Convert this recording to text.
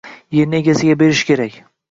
Yerni egasiga berish kerak